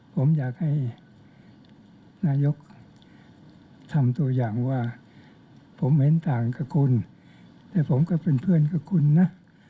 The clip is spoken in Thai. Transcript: ผมอยากให้นายกทำตัวอย่างว่าผมเห็นต่างกับคุณแต่ผมก็เป็นเพื่อนกับคุณนะ